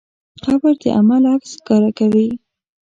قبر د عمل عکس ښکاره کوي.